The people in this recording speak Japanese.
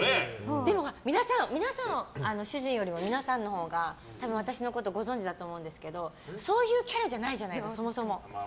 でも、主人よりも皆さんのほうが私のことをご存じだと思うんですけどそういうキャラじゃないじゃないですか。